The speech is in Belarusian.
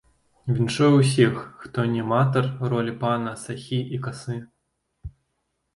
Віншую ўсіх, хто не аматар ролі пана сахі і касы!